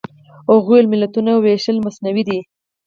هغوی ویل ملتونو وېشل مصنوعي دي.